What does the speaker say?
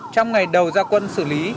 trong ngày đầu giao quân xử lý